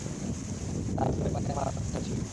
তার ব্যাপারে আমার আস্থা ছিল।